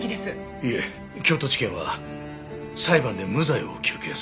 いえ京都地検は裁判で無罪を求刑するそうです。